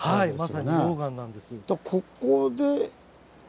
まさに溶岩なんです。